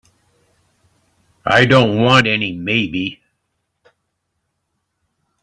I don't want any maybe.